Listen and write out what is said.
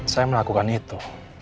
saya melakukan itu